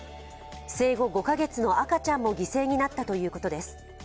生後５カ月の赤ちゃんも犠牲になったということです。